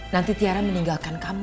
nanti tiara meninggalkan kamu